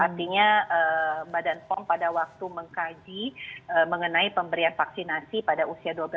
artinya mbak danfong pada waktu mengkaji mengenai pemberian vaksinasi pada usia dua belas sampai tujuh belas tahun ini